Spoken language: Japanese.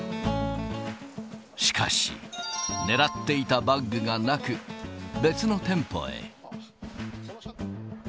しかし、狙っていたバッグがなく、別の店舗へ。